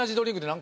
何？